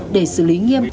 để xử lý nghiêm